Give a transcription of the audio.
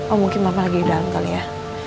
oh mungkin mama lagi di dalam kali ya